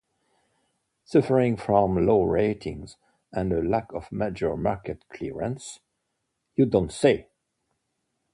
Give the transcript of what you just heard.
Suffering from low ratings and a lack of major market clearances, You Don't Say!